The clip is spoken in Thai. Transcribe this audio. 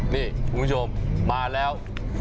นี่คุณผู้ชมมาแล้ว